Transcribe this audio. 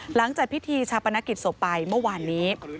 หลังจากพิธีชาวประณะกิจโศบป่ายเมื่อวานนี้